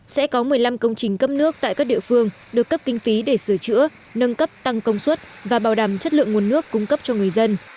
sẽ có một mươi năm công trình cấp nước tại các địa phương được cấp kinh phí để sửa chữa nâng cấp tăng công suất và bảo đảm chất lượng nguồn nước cung cấp cho người dân